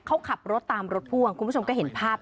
เขาขับรถตามรถพ่วงคุณผู้ชมก็เห็นภาพ